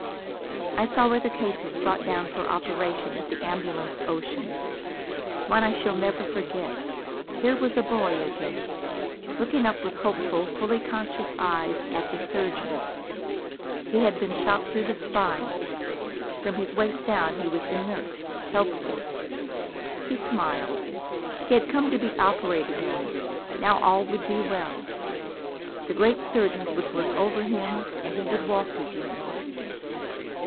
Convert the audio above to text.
I saw other cases brought down for operation at the Ambulance Ocean. One I shall never forget. Here was a boy again, looking up with hopeful, fully conscious eyes at the surgeons. He had been shot through the spine. From his waist down he was inert, helpless. He smiled. He had come to be operated on. Now all would be well. The great surgeons would work over him, and he would walk again.